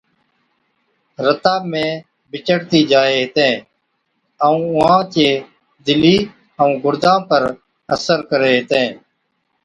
رتا ۾ بِچڙتِي جائي هِتين ائُون اُونهان چِي دِلِي ائُون گُڙدان پر اثر ڪرين هِتين۔